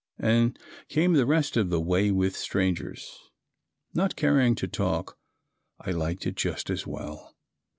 and came the rest of the way with strangers. Not caring to talk I liked it just as well.